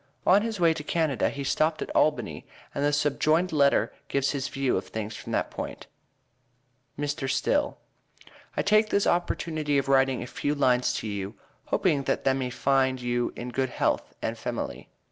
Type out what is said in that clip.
On his way to Canada, he stopped at Albany, and the subjoined letter gives his view of things from that stand point MR. STILL: I take this opportunity of writing a few lines to you hoping that tha may find you in good health and femaly.